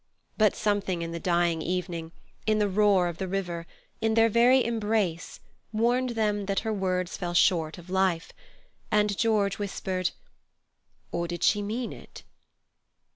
But something in the dying evening, in the roar of the river, in their very embrace warned them that her words fell short of life, and George whispered: "Or did she mean it?"